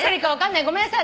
ごめんなさい！